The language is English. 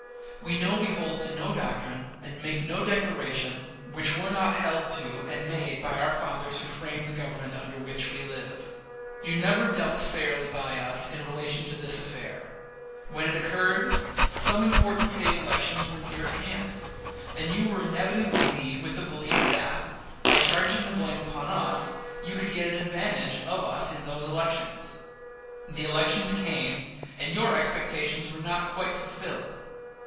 We know we hold to no doctrine, and make no declaration, which were not held to and made by our fathers who framed the Government under which we live. You never dealt fairly by us in relation to this affair. When it occurred, some important State elections were near at hand, and you were in evident glee with the belief that, by charging the blame upon us, you could get an advantage of us in those elections. The elections came, and your expectations were not quite fulfilled.